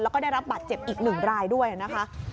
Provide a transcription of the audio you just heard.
แล้วก็ได้รับบัตรเจ็บอีก๑รายด้วยนะคะ